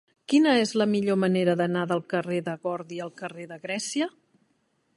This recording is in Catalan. Quina és la millor manera d'anar del carrer de Gordi al carrer de Grècia?